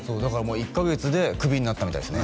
１カ月でクビになったみたいですね